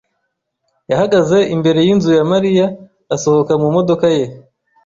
yahagaze imbere y'inzu ya Mariya asohoka mu modoka ye.